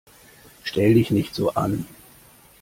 Stell dich nicht so an!